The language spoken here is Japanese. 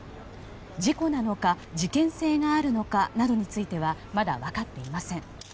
事故なのか事件性があるのかなどについてはまだ、分かっていません。